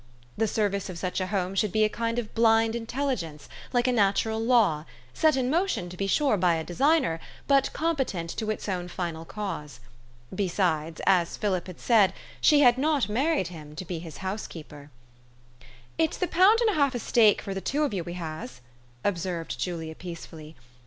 The service of such a home should be a kind of blind intelligence, like a natural law, set in motion, to be sure, lay a designer, but competent to its own final cause. Besides, as Philip had said, she had not married him to be his housekeeper. 4 'It's the pound and half of steak for the two of you we has," observed Julia peacefully.